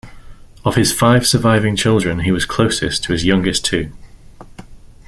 Of his five surviving children, he was closest to his youngest two.